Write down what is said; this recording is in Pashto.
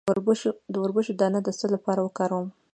د وربشو دانه د څه لپاره وکاروم؟